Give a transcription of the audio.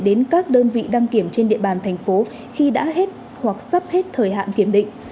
đến các đơn vị đăng kiểm trên địa bàn thành phố khi đã hết hoặc sắp hết thời hạn kiểm định